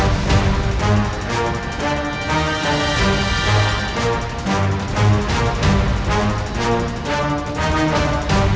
aku akan membahas nyaraiku